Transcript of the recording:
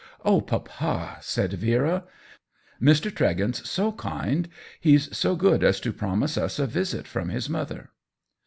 "Oh, papa," said Vera, "Mr. Tregent*s so kind ; he's so good as to promise us a visit from his mother."